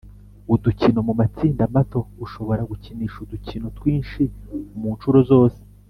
udukino mu matsinda mato Ushobora gukinisha udukino twinshi mu ncuro zose